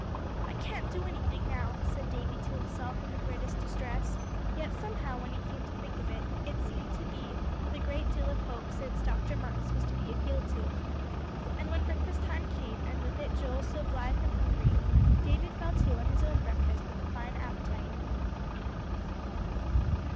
"I can't do anything now," said Davie to himself in the greatest distress; yet somehow when he came to think of it, it seemed to be with a great deal of hope since Dr. Marks was to be appealed to. And when breakfast time came, and with it Joel so blithe and hungry, David fell to on his own breakfast with a fine appetite.